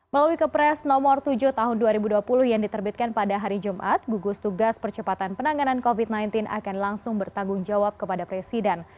melalui kepres nomor tujuh tahun dua ribu dua puluh yang diterbitkan pada hari jumat gugus tugas percepatan penanganan covid sembilan belas akan langsung bertanggung jawab kepada presiden